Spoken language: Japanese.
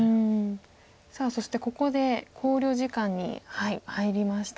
さあそしてここで考慮時間に入りました。